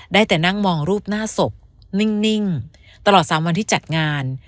ได้แต่นั่งมองรูปหน้าศพนิ่งตลอด๓วันที่จัดงาน